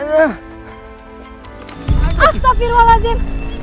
sampai jumpa di video selanjutnya